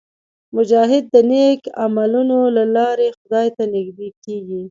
مجاهد د نیک عملونو له لارې خدای ته نږدې کېږي.